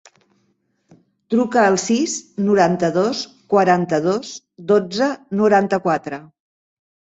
Truca al sis, noranta-dos, quaranta-dos, dotze, noranta-quatre.